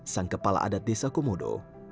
sang kepala adat desa komodo